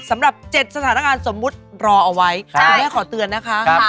สำหรับ๗สถานการณ์สมมุติรอเอาไว้คุณแม่ขอเตือนนะคะ